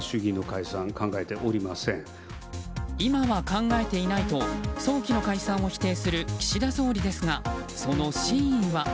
今は考えていないと早期の解散を否定する岸田総理ですがその真意は？